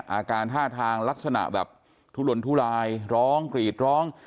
อาการท่าทางลักษณะแบบทุลนทุลายร้องกรีดร้อง